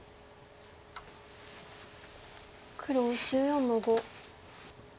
黒１４の五。